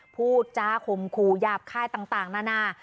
พูดจาคมคู่หยาบคายต่างนานา